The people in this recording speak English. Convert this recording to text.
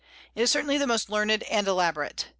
It certainly is the most learned and elaborate.